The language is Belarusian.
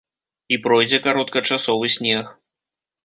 І пройдзе кароткачасовы снег.